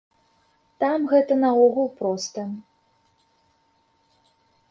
Там гэта наогул проста.